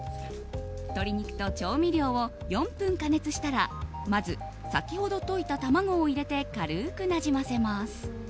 鶏肉と調味料を４分加熱したらまず先ほど溶いた卵を入れて軽くなじませます。